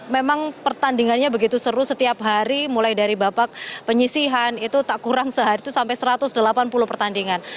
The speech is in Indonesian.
memang pertandingannya begitu seru setiap hari mulai dari babak penyisihan itu tak kurang sehari itu sampai satu ratus delapan puluh pertandingan